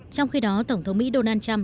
trong khi đó tổng thống mỹ donald trump